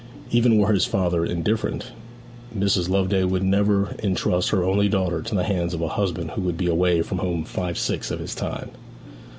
Even were his father indifferent, Mrs. Loveday would never intrust her only daughter to the hands of a husband who would be away from home five sixths of his time.